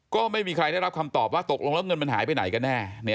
ก็ไม่มีใครได้รับคำตอบว่าตกลงแล้วเงินมันหายไปไหนกันแน่